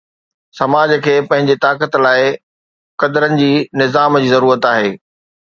سماج کي پنهنجي طاقت لاءِ قدرن جي نظام جي ضرورت آهي.